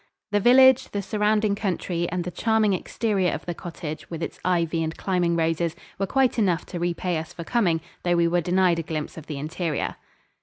The village, the surrounding country, and the charming exterior of the cottage, with its ivy and climbing roses, were quite enough to repay us for coming though we were denied a glimpse of the interior.